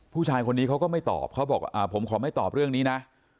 ผู้ชายคนนี้เขาก็ไม่ตอบเขาบอกผมขอไม่ตอบเรื่องนี้นะ